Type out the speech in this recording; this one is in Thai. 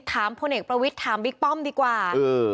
ถามคนเอกประวิทย์ถามบิ๊กป้อมดีกว่าเออ